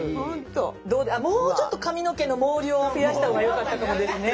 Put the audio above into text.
もうちょっと髪の毛の毛量を増やした方がよかったかもですね。